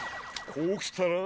こうきたら？